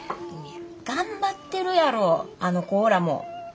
頑張ってるやろあの子らも。